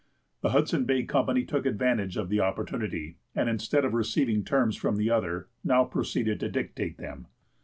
The Hudson Bay Company took advantage of the opportunity, and, instead of receiving terms from the other, now proceeded to dictate them.